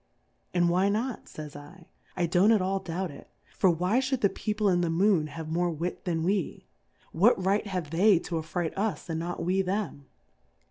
And why not, fays I J I don't at all doubt it ; for why lliould the People in the Moon have more Wit than we? What right have they to afright us and not we them